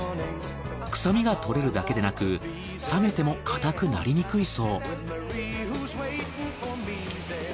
臭みが取れるだけでなく冷めても硬くなりにくいそう。